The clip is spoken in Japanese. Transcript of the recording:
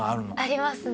ありますね。